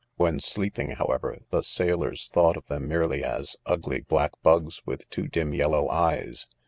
When sleeping, however, the sailors thought of them merely as " ugly black bugs, with two dim yellow eyes."